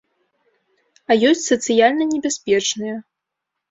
А ёсць сацыяльна небяспечныя.